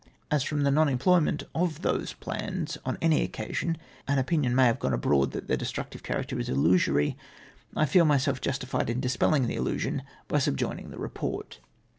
As from the non employment of tliose plans on any occasion, an opinion may have gone abroad that their destrnctive character is illusory, I feel myself justified in dispelling the illusion by sub joining the report.